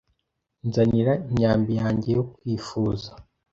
Nzanira imyambi yanjye yo kwifuza